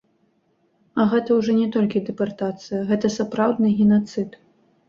А гэта ўжо не толькі дэпартацыя, гэта сапраўдны генацыд.